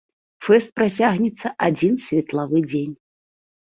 Фэст працягнецца адзін светлавы дзень.